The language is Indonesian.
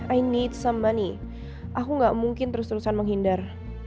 aku butuh uang aku gak mungkin terus terusan menghindar